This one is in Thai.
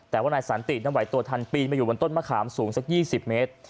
แต่ว่านายสันตินั้นไหวตัวทันปีนมาอยู่บนต้นมะขามสูงสัก๒๐เมตร